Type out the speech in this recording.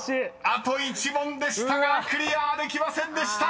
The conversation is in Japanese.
［あと１問でしたがクリアできませんでした！］